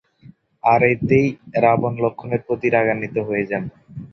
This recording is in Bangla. আর এতেই রাবণ লক্ষ্মণের প্রতি রাগান্বিত হয়ে যান।